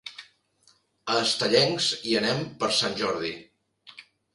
A Estellencs hi anem per Sant Jordi.